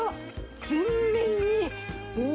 全面に。